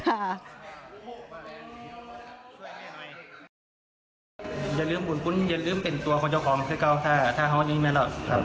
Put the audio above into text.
อย่าลืมบุญบุญอย่าลืมเป็นตัวของเจ้าของผู้จัดเกล้าเท่าถ้าเขาว่าแต่นี้แหมแล้ว